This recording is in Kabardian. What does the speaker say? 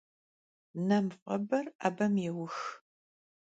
Nem f'eber 'ebem yêux.